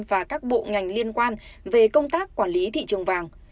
và các bộ ngành liên quan về công tác quản lý thị trường vàng